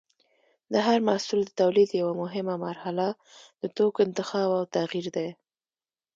د هر محصول د تولید یوه مهمه مرحله د توکو انتخاب او تغیر دی.